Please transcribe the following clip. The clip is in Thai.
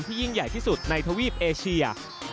ยิ่งใหญ่ที่สุดในทวีปเอเชีย